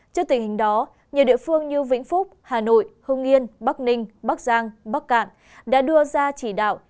trước tình hình đó nhiều địa phương như vĩnh phúc hà nội hưng yên bắc ninh bắc giang bắc cạn đã đưa ra chỉ đạo